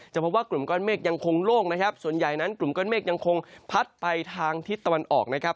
พบว่ากลุ่มก้อนเมฆยังคงโล่งนะครับส่วนใหญ่นั้นกลุ่มก้อนเมฆยังคงพัดไปทางทิศตะวันออกนะครับ